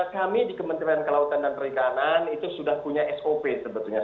kami di kementerian kelautan dan perikanan itu sudah punya sop sebetulnya